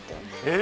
え